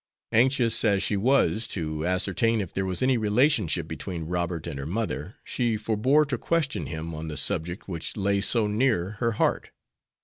Anxious as she was to ascertain if there was any relationship between Robert and her mother, she forebore to question him on the subject which lay so near her heart.